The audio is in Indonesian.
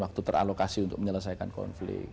waktu teralokasi untuk menyelesaikan konflik